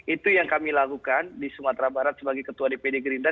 itu yang kami lakukan di sumatera barat sebagai ketua dpd gerindra